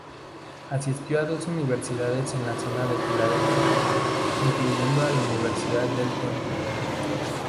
Asistió a dos universidades en la zona de Filadelfia, incluyendo la Universidad del Temple.